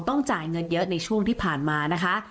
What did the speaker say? ต้องจ่ายเงินเยอะในช่วงที่ผ่านมานะคะ